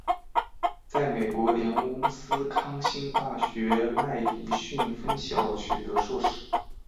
在美国威斯康辛大学麦迪逊分校取得硕士。